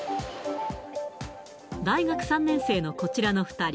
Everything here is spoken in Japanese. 大学３年生のこちらの２人。